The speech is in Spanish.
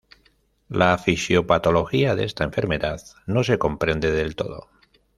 La fisiopatología de esta enfermedad no se comprende del todo.